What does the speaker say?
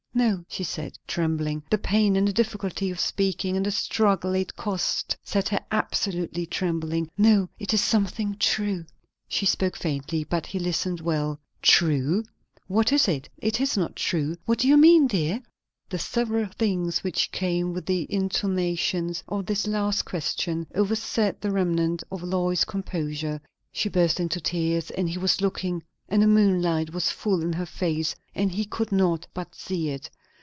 "No," she said, trembling; the pain, and the difficulty of speaking, and the struggle it cost, set her absolutely to trembling. "No, it is something true." She spoke faintly, but he listened well. "True! What is it? It is not true. What do you mean, dear?" The several things which came with the intonations of this last question overset the remnant of Lois's composure. She burst into tears; and he was looking, and the moonlight was full in her face, and he could not but see it.